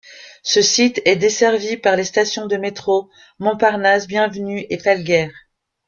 Ce site est desservi par les stations de métro Montparnasse - Bienvenüe et Falguière.